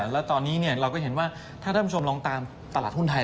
แล้วตอนนี้เราก็เห็นว่าถ้าท่านผู้ชมลองตามตลาดหุ้นไทย